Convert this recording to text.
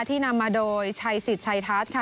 นำมาโดยชัยสิทธิ์ชัยทัศน์ค่ะ